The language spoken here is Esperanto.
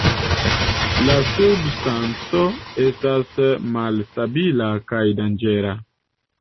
La substanco estas malstabila kaj danĝera.